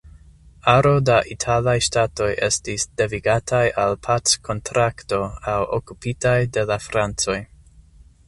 Aro da italaj ŝtatoj estis devigataj al packontrakto aŭ okupataj de la francoj.